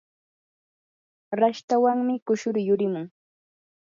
rashtawanmi kushuru yurimun.